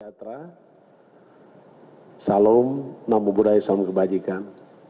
salam sejahtera salam nama budaya salam kebajikan